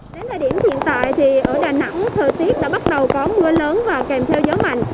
đến thời điểm hiện tại thì ở đà nẵng thời tiết đã bắt đầu có mưa lớn và kèm theo gió mạnh